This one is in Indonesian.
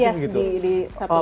yes di satu sajah